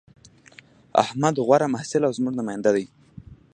احمد غوره محصل او زموږ نماینده دی